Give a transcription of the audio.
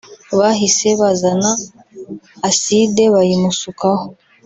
bahise bazana aside bayimusukaho